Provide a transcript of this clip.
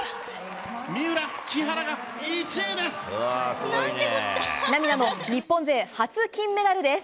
三浦・木原が１位です。